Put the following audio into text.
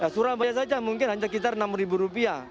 surabaya saja mungkin hanya kisar enam ribu rupiah